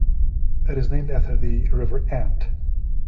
It is named after the River Ant.